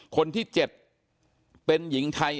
คนที่๗เป็นหญิงไทย